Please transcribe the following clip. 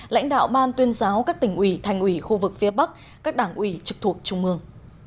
lãnh đạo ban tuyên giáo các tỉnh ủy thành ủy khu vực phía bắc các đảng ủy trực thuộc trung ương